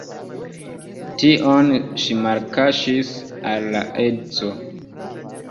Tion ŝi malkaŝis al la edzo.